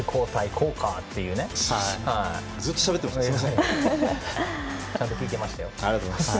ずっとしゃべってました。